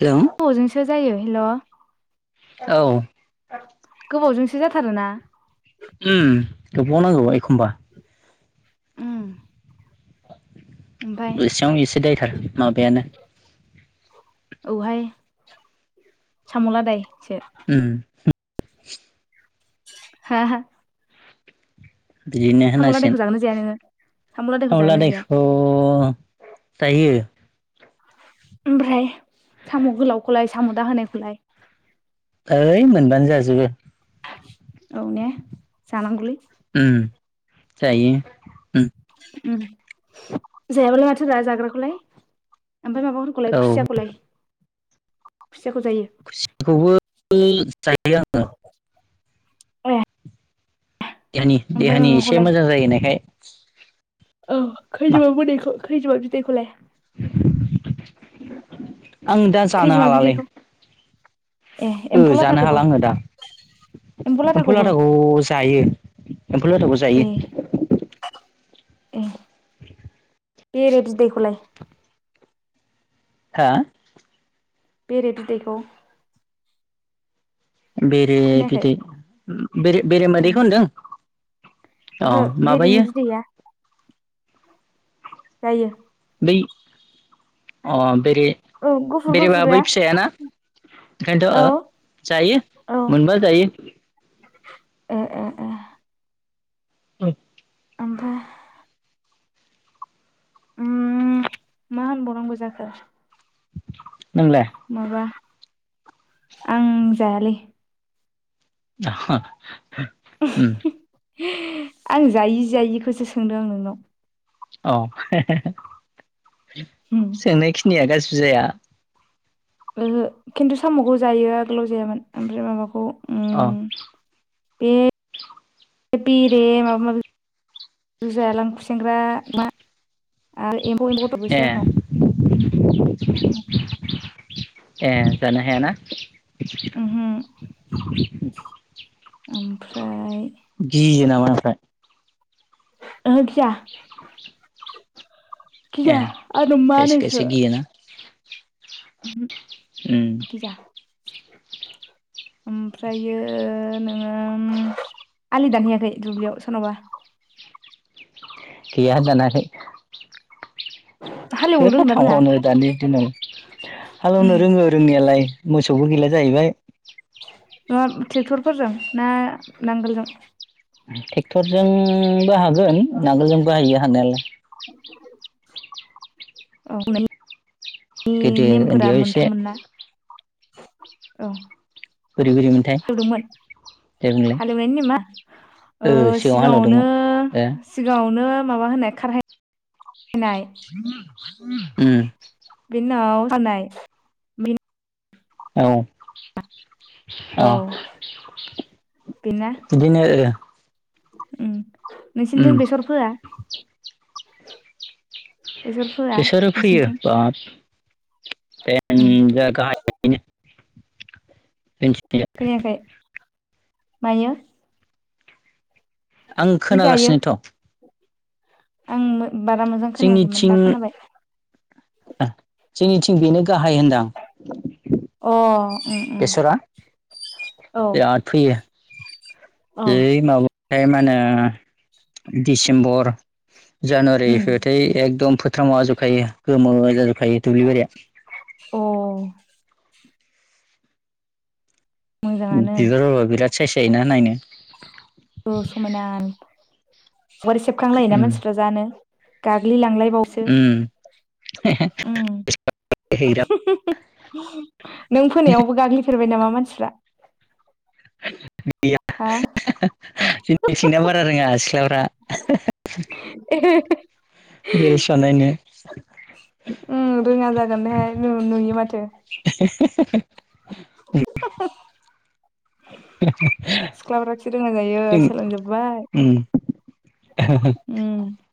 Hello ब'जोंसो जायो hello औ गोबावजोंसो जाथारोना उमगोबाव नांगौ एखमबा ओमफाय बेसे आवनो एसे दायथार माबायानो औहाय साम लादाय सो उम हा हा [unintelligible] बिदिनो साम' लादायखौ होनासिन जागोन ना जाया नोङो साम' साव जागोन ना जाया लादायखौ जायो ओमफ्राय साम गोलावखौलाय साम दाहायखौलाय ओइ मोनबानो जाजोबो औ ने जानांगौलै उम जायो उम उम जायाबालाय माथो रा जाग्राखौलाय ओमफ्राय माबाफोरखौलाय औ खुसियाखौलाय खुसियाखौ जायो [unintelligible] खुसियाखौबो जायो आङो ए देहानि ओमफ्राय देहानि एसे माबाखौलाय मोजां जायो होननायखाय औ खैजेमा बिदैखौ खैजेमा बिदैखौलाय आं दा जानो खैजोमा हालालै बिदैखौ ए ओ एम्फौ जानो लाथाखौबो हाला आङो दा एम्फौ लाथाखौ जायो एम्फौ लाथाखौ ए जायो [inaudible] [inaudible] बेरे बिदैखौलाय हा बेरे बिदैखौ बेरे खोनायाखै बिदैे बेरे उम मोदैखौ होनदों अ ओहो माबायो बेरेनि बिदैया जायो बै अ बेरे औ गुफुर बेरेबा बै गुफुरा फिसायाना ओंखायनोथ' औ ओ जायो मोनबा जायो ओ ओ औ ओफ्राय मा होनबावनांगौ जाखो नोंलाय माबा आं जायालै [inaudible] आं जायि जायिखौसो सोंदों आं नोंनाव औ उम सोंनाय खिनिया गाज्रिबो जाया ओहो खिन्थु साम'खौ जायो आगोलाव जायामोन ओमफ्राय माबाखौ औ उम बे बेरे माबा माबिखौ जायालां खुसेंग्रा मा आरो एम्फौ एमफौ ए आंनाव ए जानो हायाना उमहो [inaudible] ओमफ्राय [inaudible] ओहो गिया [inaudible] ए गिया आरो मा खायसे होनो खायसे बिखौ गियोना [inaudible] उम खिजा ओमफ्रायो नोङो आलि दानहैयाखै दुब्लियाव सोरनावबा गैया दानाखै हालेवनो सोरथो रोंङोना रोङा थांबावनो दानि दिनाव उम हालेवनो रोङो रोंनायालाय मोसौबो गैला जाहैबाय नङा ट्रेक्टरफोरजों ना नांगोलजों ट्रेक्टरजोंबो हागोन नांगोलजों बाहायो हानायालाय औ गोदो नेमफोरा उन्दैयाव एसे मोनथाम मोनना औ बोरै बोरै मोनथाय हालेवदोंमोन दे बुंलाय हालेवनायनि नामा ओ सिगाङाव सिगाङावनो हालेवदोंमोन सिगाङावनो माबा होनो खारहाय ए हानायनाय औ औ अ बिनो नोंसोरनिथि बेसर फोआ बेसर फोआ बिसोरो फैयो नोंसिनिथिं बाद उम जाय गाह खोनायाखै मायो आं जि गायो खोनागासिनोथ' आं बारा मोजां खोनायाखैमोन जोंनिथिं दा खोनाबाय जोंनिथिं बेनो गाहाय होनदां अ उम उम बेसरा औ बेराद फैयो ए माबथायाय माने दिसेम्बर उम जानुवारिथएकदम फोथारावाजोबखायो गोमाव जाजोबखायो दुब्लि बारिया अ मोजाङानो बिबार बा बिराद सायस जायोना नायनो मोरै सेबखांलायोना उम मानसिफ्रा जानो गाग्लिलांलायबावसो उम हैग्रा नों फोनायावबो गाग्लि सोरबाय नामा मानसिफ्रा आ हा जोंनिथिंनिया बारा रोङा सिख्लाफ्रा [inaudible] नु नुयो माथो [inaudible] सिख्लाफ्रासो [unintelligible] रोङा जायो सोलोंजोब्बाय [inaudible] उम [inaudible]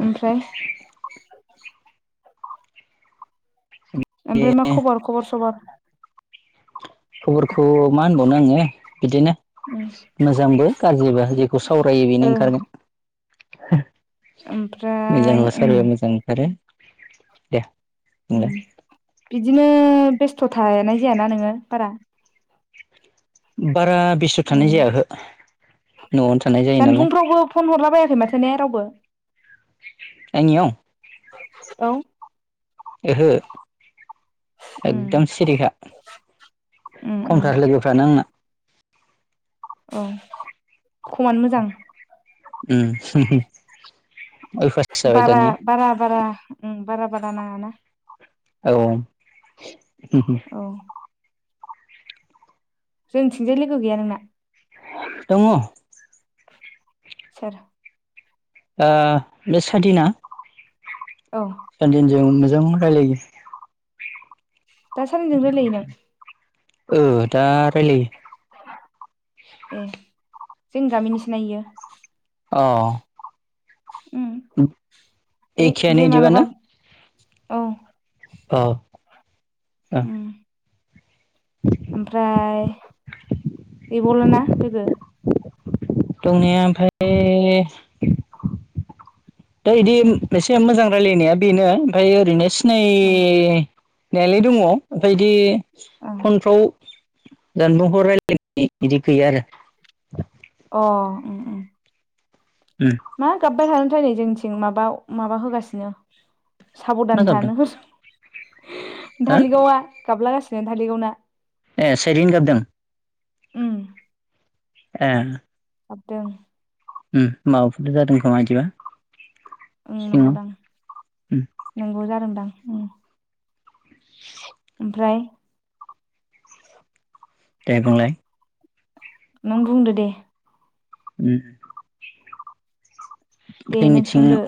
ओमफ्राय ओमफ्राय मा खबर खबर सबर खबरखौ मा होनबावनो आङो बिदिनो उम मोजांबो गाज्रिबो जेखौ सावरायो बेनो ओ ओंखारगोन मोजां ओमफ्राय उम सावरायबा मोजां ओंखारो दे बुंलाय बिदिनो बेस्थ' थानाय जायाना नोङो बारा बारा बेस्थ' थानाय उम जाया औहो जानबुंफ्रावबो फन हरला बायाखै माथो ने रावबो आंनियाव औ ओहो एकदम सिरिखा उम उम खमथार लोगोफ्रानो आंना औ खमानो मोजां ओम बारा बारा बारा बारा बारा नाङा ना औ औ जोंथिजाय लोगो गैया नोंना दङ' सोर बे सादिना औ सादिनजों मोजां रायलायो दा सानजों रायलायो नों ओ दा रायलायो [inaudible] ए जों गामिनिसो ना बियो औ ओम एखेयानो बे इदिबा मालाबा ना औ अ उम ओमफ्राय गैबावला ना लोगो? दंनाया ओमफ्राय दा बिदि उम एसे मोजां रायजलायनाया बेनो ओमफ्राय ओरैनो औ सिनाय नायालाय दङ ओफ्राय बिदि औ फनफ्राव जानबुंखौ रायलायनाय बिदि गैया आरो अ उम मा गाबबाय थोदोंथाय नै जोंथिं माबा माबा होगासिनो मा साबधान गाबदों थानो हो हो धालिगावा गाबलागासिनो धालिगावना ए साइरिन गाबदों उम [inaudible] ए गाबदों उ माबाफोर जादों खोमा बिदिबा उम नंगौदां उम नंगौ जादोंदां उम ओमफ्राय दे बुंलाय नों बुंदो दे ओम दे नों सोंदो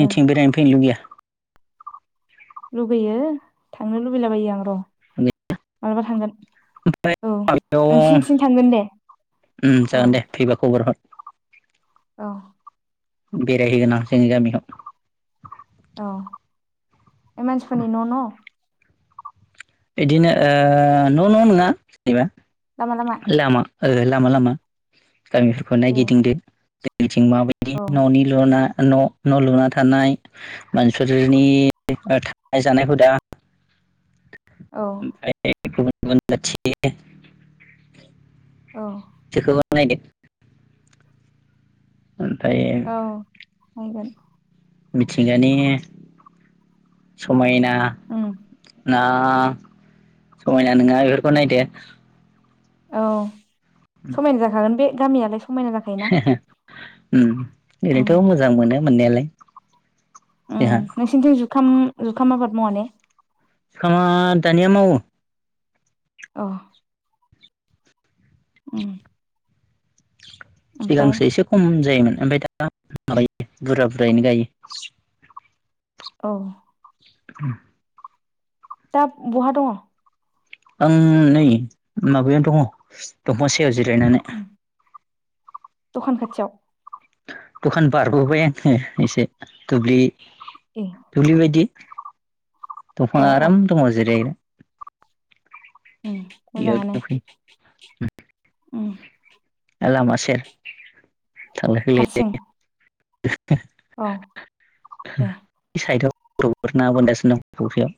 ओ बेरायनो फैनो लुगैया? लुुबैयो थांनो लुबैलाबायो आं र' मालाबा थांगोन औ बेयाव नोंसनिथिं थांगोन दे उम औ जागोन दे फैबा खबर औ बेरायहैगोन आं जोंनि गामियाव औ बे मानसिफोरनि न' न' बिदिनो ओ न' न' नङा जेनेबा लामा लामा ओ लामा लामा गामिफोरखौ ए नायगिदिंदो जों माबायदि औ न'निल'ना न' न' लुना थानाय मानसिफोरनि थानाय जानाय हुदा [inaudible] औ [unintelligible] औ बेखौबो आ नायदो ओमफ्राय औ नायगोन मिथिंगानि [inaudible] समायना उम ना समायना नङा बेफोरखौ नायदो औ समायना जाखागोन बे गामियालाय समायना जाखायोना उम उम ओरैनोथ' मोजां मोनो मोननायालाय उम जोंहा नोंसिनिथिं जुखाम जुखाम आबाद मावा ने? सिखा दानिया मावो औ उम ओमफ्राय सिगांसो एसे खम जायोमोन ओमफ्राय दा माबायो बुरजा बुरजायैनो गायो औ [unintelligible] दा बहा दङ? आं नै माबायाव दङ दंफां सायाव जिरायनानै। दखान खाथियाव? दखान बारबोबाय आङो एसे द दुब्लि ए दुब्लि बायदि। औ दफांआ औ आराम दङ जिराय उम बेयाव मोजाङानो दंफैयो लामा सेर थांला हारसिं फैलाय औ दे [unintelligible] फोर ना बोनगासिनो दं फख्रियाव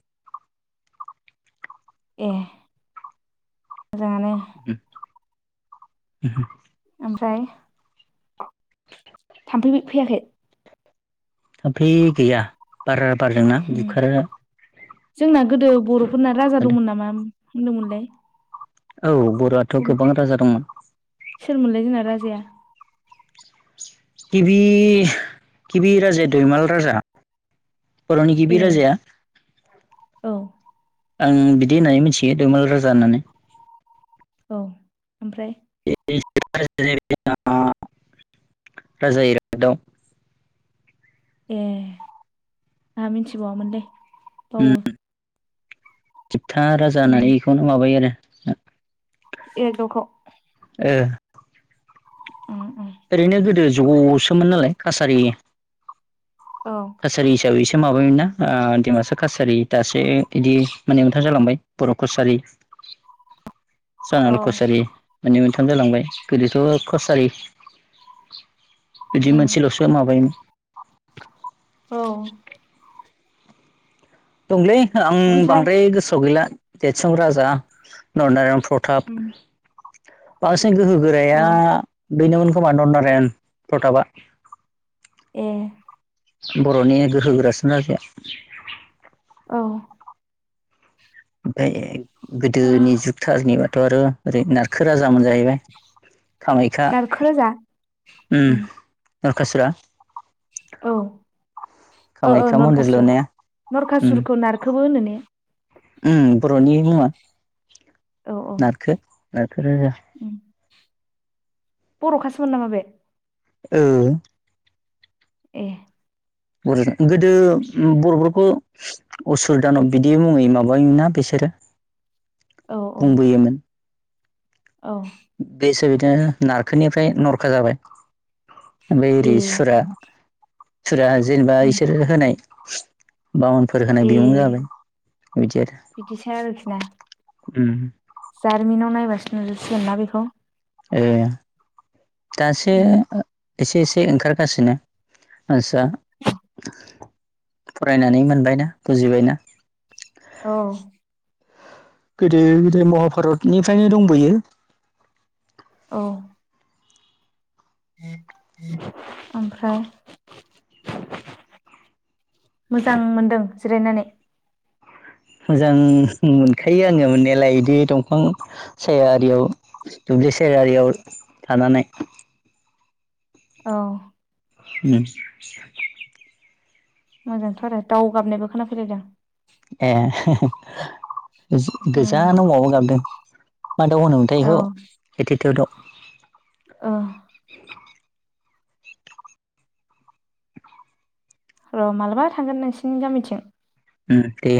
ए मोजाङानो [unintelligible] ओमफ्राय थामफै फैयाखै? थाबफै गैया बार बारदोंना उम बुखार जोंना गोदो बर'फोरना राजा दंमोन नामा होनदोंमोनलाय? औ बर'आथ' गोबां राजा दंमोन सोरमोनलाय जोंना राजाया गिबि गिबि राजाया दैमाल राजा। बर'नि गिबि ए राजाया औ आं बिदि होननानै मिथियो दैमाल राजा होननानै औ ओमफ्राय? [unintelligible] रखजा इरागदाव ए आंहा मिथिबावामोनलै बावो था राजा उम होनानै बेखौनो माबायो आरो एरागदावखौ? ओ उम उम ओरैनो गोदो ज'सोमोन नालाय कासारि औ काछारि हिसाबैस माबायोमोन ना ओ डिमासा कासारि दासो इदि माने मोन [unintelligible] जालांबाय बर' कसारि [inaudible] औ सानुवाल कसारि मोननै मोनथाम जालांबाय गोदोथ' कसारि बिदि उम मोनसेल'सो माबायोमोन औ दंलै आं ओमफ्राय बांद्राय गोसोआव गैला देरतसु राजा नरनारायन फुं उम प्रथाब बांसिन गोहो गोराया औ बेनोमोन खोमा नरनारायण प्रताबा एह बर'नि गोहोगोरासिन राजाया औ ओमफ्राय गोदोनि जुगथारनिबाथ' आरो ओरै नारखो राज मोन जाहैबाय कामाख्या नारखो रोजा उम उम नरखासुरा औ ओ ओ कामाख्या मन्दिर नरखासुर, लुनाया उम नरखासुरखौ नारखोबो होनो ने? [inaudible] उम बर'नि मुङा औ औ नारखो नारखो राजा उम बर'खासोमोन नामा बे? ओ एह बर' [unintelligible] गोदो बर'फोरखौ असुर दानाब बिदि मुङै माबायोमोनना बिसोरो। औ औ बुंबोयोमोन। औ। बेसो बिदो नारखोनिफ्राय नरखा जाबाय। ओमफाय ए इरै सुरा फोरा जेनेबा उम इसोर होनाय बाउनफोर होनाय ए बिमुं जाबाय। बिदि आरो बिदिसो आरोखि ना उम जारिमिनाव नायबासो नुजोबसिगोन ना बेखौ। ओ दासो उम एसे-एसे ओंखारगासिनो मानसिया। फरायनानै मोनबायना बुजिबायना। औ। गोदो-गोदो महाभारतनिफ्रायनो दंबोयो। औ। ओमफ्राय? मोजां मोनदों जिरायनानै? मोजां मोनखायो आङो मोननायालाय इदि दंफां साया आरियाव दुब्लिसेर आरियाव थानानै। औ। उम। मोजांथ' आरो दाव गाबनायबो खोनाफैलायदों। ए उम गोज-गोजानाव माबा गाबदों। मा दाव होनोमोनथाय औ बेखौ एटिटिउ दाउ। ओ। र' मालाबा थांगोन नोंसिनि गामिथिं। उम दे।